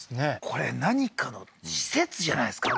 これ何かの施設じゃないですか？